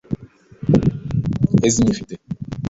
Ezinifite